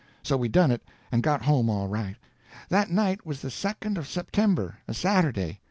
So we done it, and got home all right. That night was the second of September—a Saturday.